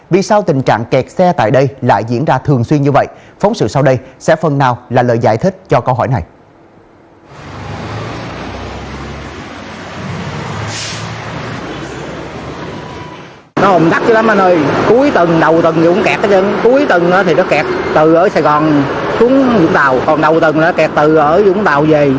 vì sao tình trạng kẹt xe tại đây lại diễn ra thường xuyên như vậy phóng sự sau đây sẽ phần nào là lời giải thích cho câu hỏi này